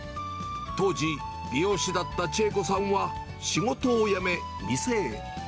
当時、美容師だった千恵子さんは、仕事を辞め、店へ。